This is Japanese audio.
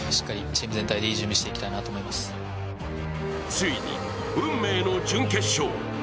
ついに、運命の準決勝。